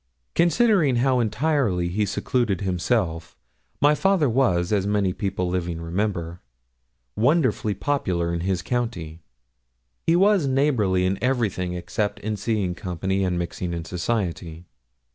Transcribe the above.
Considering how entirely he secluded himself, my father was, as many people living remember, wonderfully popular in his county. He was neighbourly in everything except in seeing company and mixing in society.